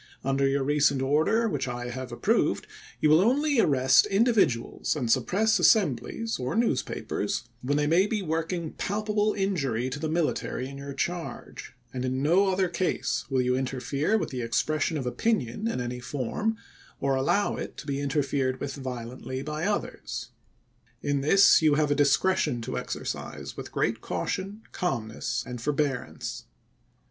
Under your recent order, which I have approved, you will only arrest individuals, and suppress assemblies, or news papers, when they may be working palpable injury to the military in your charge; and in no other case will you interfere with the expression of opinion in any form, or allow it to be interfered with violently by others. In this you have a discretion to exercise with great caution, calm ness, and forbearance.